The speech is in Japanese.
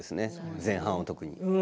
前半は特に。